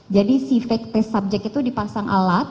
jadi si fake test subject itu dipasang alat